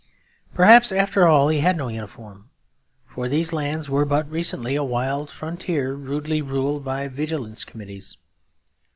Perhaps after all he had no uniform; for these lands were but recently a wild frontier rudely ruled by vigilance committees.